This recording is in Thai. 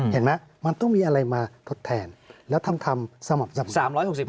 เห็นไหมมันต้องมีอะไรมาทดแทนแล้วทำสม่ำ๓๖๕